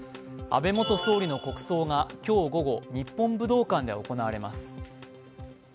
安倍元総理の国葬が今日午後、日本武道館で行われます。